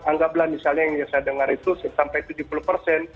anggaplah misalnya yang saya dengar itu sampai tujuh puluh persen